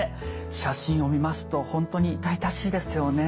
写真を見ますと本当に痛々しいですよね。